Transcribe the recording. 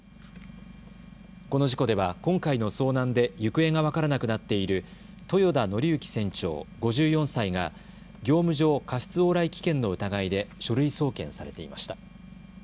この事故では今回の遭難で行方が分からなくなっている豊田徳幸船長、５４歳が業務上過失往来危険の疑いで書類送検されていました。